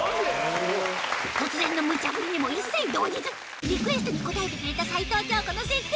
突然のむちゃ振りにも一切動じずリクエストに応えてくれた齊藤京子の設定